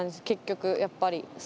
結局やっぱり。